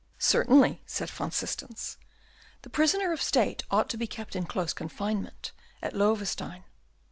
"Certainly," said Van Systens, "the prisoner of state ought to be kept in close confinement at Loewestein."